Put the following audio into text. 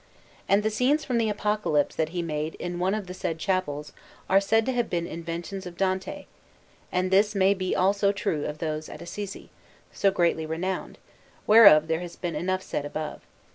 And the scenes from the Apocalypse that he made in one of the said chapels are said to have been inventions of Dante; and this may be also true of those at Assisi, so greatly renowned, whereof there has been enough said above.